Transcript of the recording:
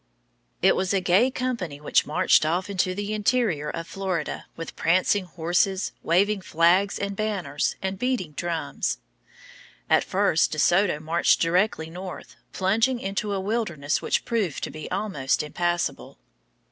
It was a gay company which marched off into the interior of Florida with prancing horses, waving flags and banners, and beating drums. At first De Soto marched directly north, plunging into a wilderness which proved to be almost impassable.